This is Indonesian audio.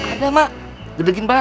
ada emak gedegin banget